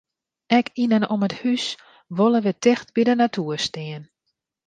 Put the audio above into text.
Ek yn en om it hús wolle wy ticht by de natoer stean.